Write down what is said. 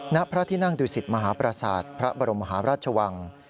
ณพระที่นั่งดูสิตมหาปราศาสตร์พระบรมหาราชวัง